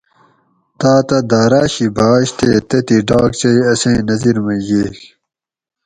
تاۤتہ داۤراۤ شی بھاش تے تتھیں ڈاکچئ اسیں نظِر مئ ییگ